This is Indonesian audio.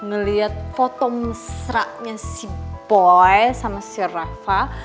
ngeliat foto mesra nya si boy sama si reva